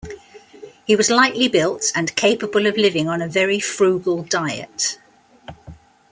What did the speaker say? He was lightly built and capable of living on a very frugal diet.